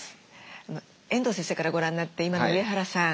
遠藤先生からご覧になって今の上原さん